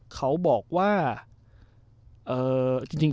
เขาบอกว่าจริง